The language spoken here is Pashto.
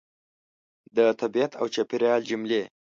د طبیعت او چاپېریال جملې